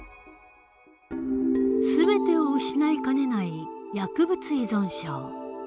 全てを失いかねない薬物依存症。